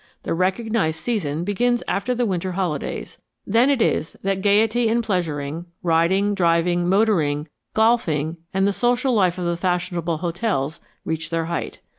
The recognized season begins after the winter holidays; then it is that gayety and pleasuring, riding, driving, motoring, golfing, and the social life of the fashionable hotels reach their height.